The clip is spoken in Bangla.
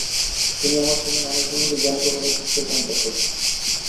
তিনি আমার চেনা মানুষদের মধ্যে জ্ঞান প্রকাশে সবচেয়ে কম দক্ষ ছিলেন।